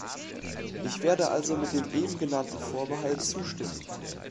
Ich werde also mit dem eben genannten Vorbehalt zustimmen.